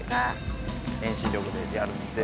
遠心力でやるって。